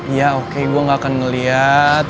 iya oke gue gak akan ngeliat